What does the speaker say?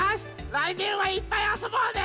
らいねんはいっぱいあそぼうね！